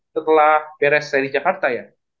setelah beres seri jakarta ya